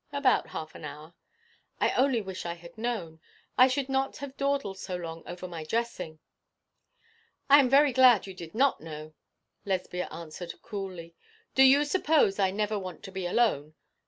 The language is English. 'About half an hour' 'I only wish I had known. I should not have dawdled so long over my dressing.' 'I am very glad you did not know,' Lesbia answered coolly. 'Do you suppose I never want to be alone?